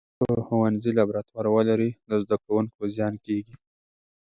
که ښوونځي لابراتوار ولري، د زده کوونکو زیان کېږي.